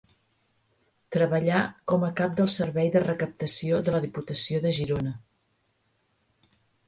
Treballà com a cap del Servei de Recaptació de la Diputació de Girona.